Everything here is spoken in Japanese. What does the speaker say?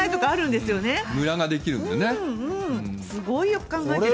すごいよく考えてる。